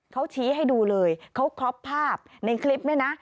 เขาชี้ให้ดูเลยเขาครอบภาพในคลิปเนี่ยนะ